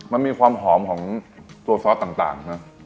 มันมีความหอมของตัวซอสต่างนะ